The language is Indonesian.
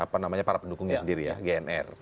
para pendukungnya sendiri ya